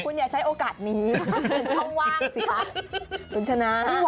เป็นโอกาสนี้เป็นช่องว่างสิคะ